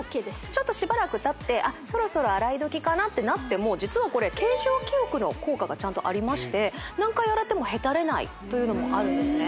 ちょっとしばらくたってそろそろ洗い時かなってなっても実はこれ形状記憶の効果がちゃんとありまして何回洗ってもヘタレないというのもあるんですね